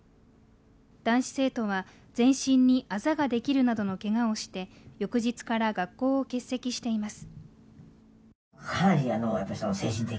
男子生徒は全身にあざができるなどのけがをして翌日から学校を欠席しています。